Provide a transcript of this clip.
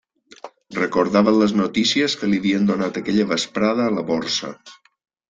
Recordava les notícies que li havien donat aquella vesprada a la Borsa.